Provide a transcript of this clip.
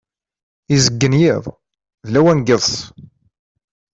Izeggen yiḍ, d lawan n yiḍes.